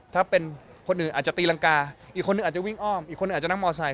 ถ้าเป็นคนอื่นอาจจะตีรังกาอีกคนหนึ่งอาจจะวิ่งอ้อมอีกคนหนึ่งอาจจะนั่งมอไซค